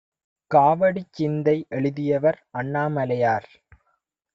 காவடிச்சிந்தை எழுதியவர் அண்ணாமலையார்